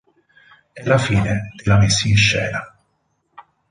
È la fine della messinscena.